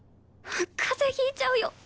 風邪引いちゃうよ。